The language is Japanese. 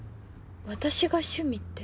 私が趣味って？